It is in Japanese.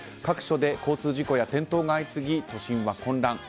各所で交通事故や転倒が相次ぎ都心は混乱。